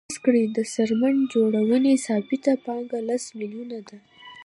فرض کړئ د څرمن جوړونې ثابته پانګه لس میلیونه ده